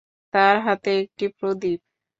তার হাতে একটি প্রদীপ।